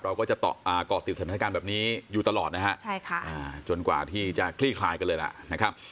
เราก็จะเกาะติดสถานการณ์แบบนี้อยู่ตลอดนะฮะจนกว่าที่จะคลี่คลายกันเลยล่ะนะครับ